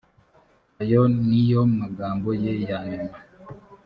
ayo ni yo magambo ye ya nyuma